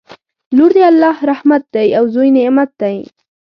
لور د الله رحمت دی او زوی نعمت دی